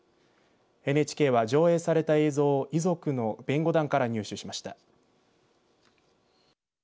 ＮＨＫは上映された映像を遺族の弁護団から入手しました。